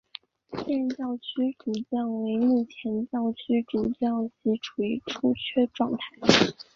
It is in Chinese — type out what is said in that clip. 现任教区主教为目前教区主教席位处于出缺状态。